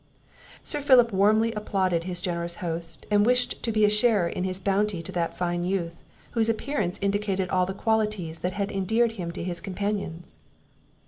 Sir Philip warmly applauded his generous host, and wished to be a sharer in his bounty to that fine youth, whose appearance indicated all the qualities that had endeared him to his companions.